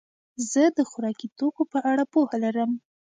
زه د خوراکي توکو په اړه پوهه لرم.